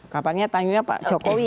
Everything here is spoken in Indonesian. kapannya tanya pak jokowi